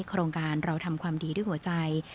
โครงการเราทำความดีด้วยหัวใจ